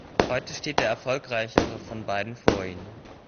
Heute steht der Erfolgreichere von beiden vor ihnen.